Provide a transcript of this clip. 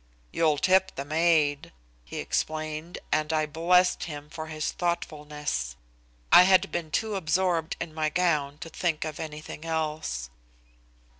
"You'll tip the maid," he explained, and I blessed him for his thoughtfulness. I had been too absorbed in my gown to think of anything else.